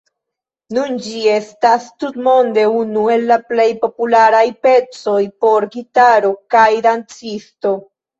Nun ĝi estas tutmonde unu el la plej popularaj pecoj por gitaro kaj dancisto.